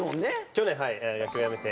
去年野球を辞めて。